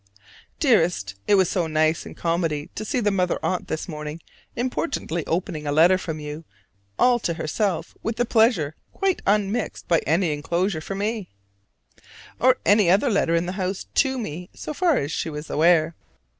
Dearest: It was so nice and comedy to see the Mother Aunt this morning importantly opening a letter from you all to herself with the pleasure quite unmixed by any inclosure for me, or any other letter in the house to me so far as she was aware.